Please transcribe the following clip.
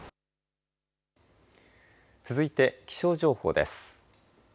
続いて気象情報です。